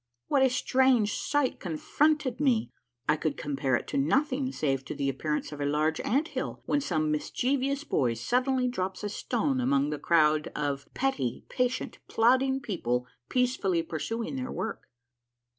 What a strange sight confronted me I I could compare it to nothing save to the appearance of a large ant hill when some mischievous boy suddenly drops a stone among the crowd of petty, patient, plodding people peacefully pursuing their work.